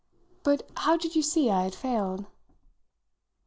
"But how did you see I had failed?"